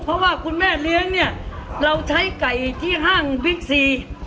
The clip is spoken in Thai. เพราะว่าคุณแม่เลี้ยงเนี่ยเราใช้ไก่ที่ห้างบิ๊กซี